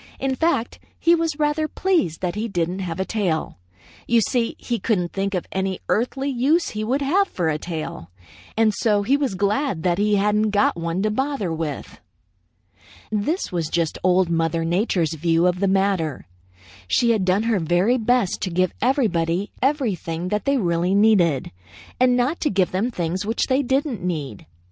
In fact, he was rather pleased that he didn't have a tail. You see, he couldn't think of any earthly use he would have for a tail, and so he was glad that he hadn't got one to bother with. "This was just Old Mother Nature's view of the matter. She had done her very best to give everybody everything that they really needed, and not to give them things which they didn't need.